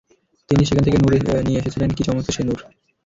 তিনি সেখান থেকে নূর নিয়ে এসেছিলেন, কী চমৎকার সে নূর!